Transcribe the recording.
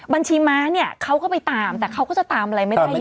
บัญชีม้าเนี่ยเขาก็ไปตามแต่เขาก็จะตามอะไรไม่ได้เยอะ